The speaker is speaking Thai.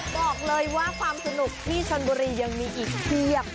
บอกเลยว่าความสนุกที่ชนบุรียังมีอีกเพียบ